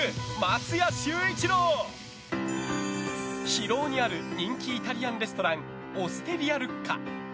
広尾にある人気イタリアンレストランオステリアルッカ。